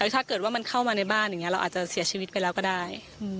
ถ้าเกิดว่ามันเข้ามาในบ้านอย่างนี้เราอาจจะเสียชีวิตไปแล้วก็ได้